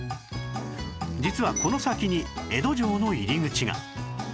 実はこの先に江戸城の入り口が